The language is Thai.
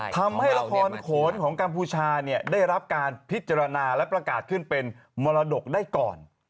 ทำให้ละครโขนของกัมพูชาได้รับการพิจารณาและประกาศขึ้นเป็นมรดกได้ก่อน